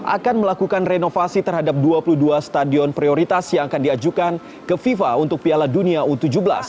akan melakukan renovasi terhadap dua puluh dua stadion prioritas yang akan diajukan ke fifa untuk piala dunia u tujuh belas